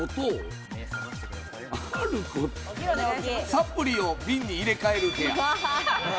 サプリを瓶に入れ替える部屋。